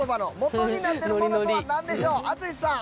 淳さん